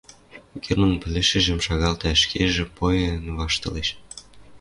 — Герман пӹлӹшӹжӹм шагалта, ӹшкежӹ йойын ваштылеш.